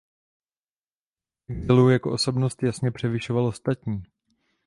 V exilu jako osobnost jasně převyšoval ostatní.